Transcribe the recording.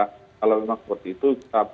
kalau memang seperti itu